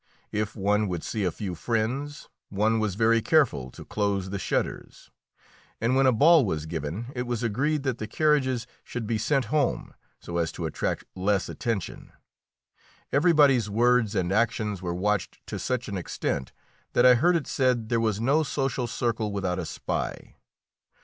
If one would see a few friends, one was very careful to close the shutters, and when a ball was given it was agreed that the carriages should be sent home so as to attract less attention. Everybody's words and actions were watched to such an extent that I heard it said there was no social circle without a spy.